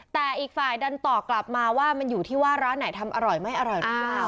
แต่อีกฝ่ายดันต่อกลับมาว่ามันอยู่ที่ว่าร้านไหนทำอร่อยไม่อร่อยหรือเปล่า